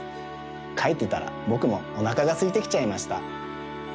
かいてたらぼくもおなかがすいてきちゃいました。